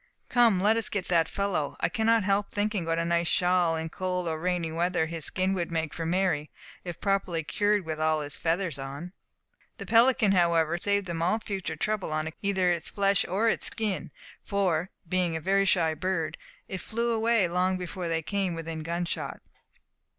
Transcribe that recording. Come, let us get that fellow. I cannot help thinking what a nice shawl, in cold or rainy weather, his skin would make for Mary, if properly cured with all its feathers on." The pelican, however, saved them all future trouble on account of either its flesh or its skin, for, being a very shy bird, it flew away long before they came within gunshot.